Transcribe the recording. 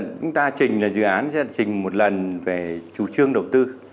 chúng ta trình là dự án sẽ trình một lần về chủ trương đầu tư